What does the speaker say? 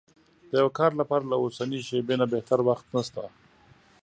د يوه کار لپاره له اوسنۍ شېبې نه بهتر وخت نشته.